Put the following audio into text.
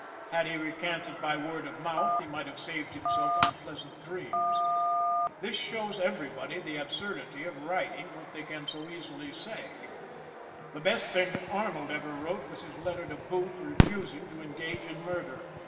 Had he recanted by word of mouth he might have saved himself unpleasant dreams. This shows everybody the absurdity of writing what they can so easily say. The best thing Arnold ever wrote was his letter to Booth refusing to engage in murder.